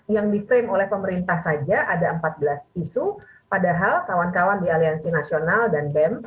yang di frame oleh pemerintah saja ada empat belas isu padahal kawan kawan di aliansi nasional dan bem